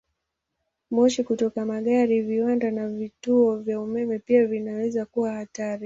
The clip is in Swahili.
Moshi kutoka magari, viwanda, na vituo vya umeme pia vinaweza kuwa hatari.